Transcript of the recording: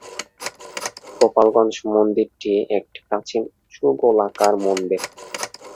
গোপালগঞ্জ মন্দিরটি একটি প্রাচীন উঁচু গোলাকার মন্দির।